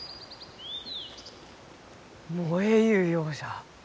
燃えゆうようじゃ。